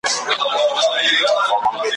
قېمتي نوي جامې یې وې په ځان کي ,